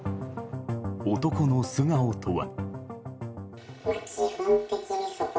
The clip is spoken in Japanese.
男の素顔とは。